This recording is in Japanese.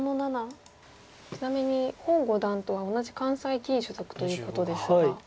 ちなみに洪五段とは同じ関西棋院所属ということですが。